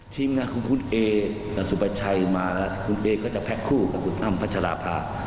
ทีมงานของคุณเออสุประชัยมาคุณเอก็จะแพ็คคู่กับคุณอ้ำพัชราภา